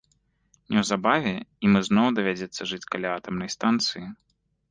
Неўзабаве ім ізноў давядзецца жыць каля атамнай станцыі.